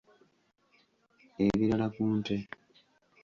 Ebirala ku nte.